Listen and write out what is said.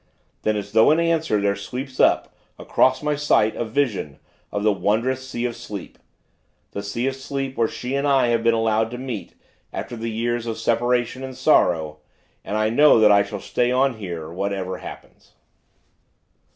Then, as though in answer, there sweeps up, across my sight, a vision of the wondrous Sea of Sleep, the Sea of Sleep where she and I have been allowed to meet, after the years of separation and sorrow; and I know that I shall stay on here, whatever happens.